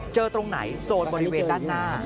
ตรงไหนโซนบริเวณด้านหน้า